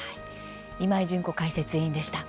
今井純子解説委員でした。